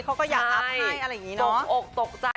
เค้าก็อยากนับให้อะไรอย่างนี้เนาะ